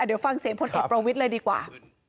เดี๋ยวฟังเสียงพลเอกประวิทย์เลยดีกว่า